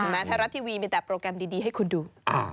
ไทยรัฐทีวีมีแต่โปรแกรมดีให้คุณดู